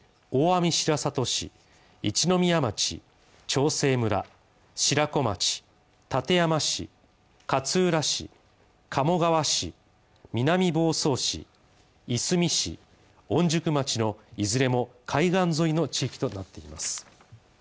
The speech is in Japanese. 大網白里市一宮町、長生村、白子町館山市、勝浦市、鴨川市、南房総市、いすみ市、御宿町のいずれも、海岸沿いの地域となっています。